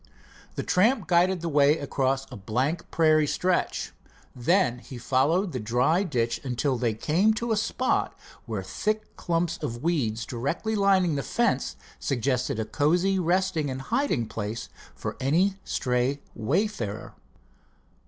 'The tramp guided the way across a bleak prairie stretch. Then he followed the dry ditch, until they came to a spot where thick clumps of weeds directly lining the fence suggested a cozy resting and hiding place for any stray wayfarer.